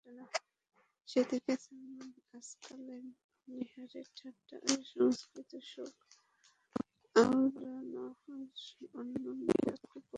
সে দেখেছে আজকালে নীহারের ঠাট্টা আর সংস্কৃত শ্লোক আওড়ানো অন্য মেয়েরা খুব পছন্দ করে।